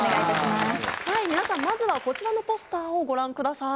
皆さんまずはこちらのポスターをご覧ください。